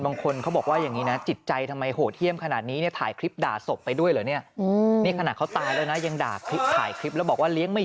ถึงกระทั่งมีคนมาห้าม